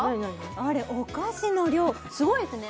あれお菓子の量すごいですね